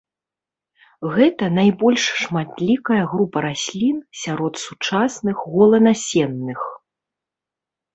Гэта найбольш шматлікая група раслін сярод сучасных голанасенных.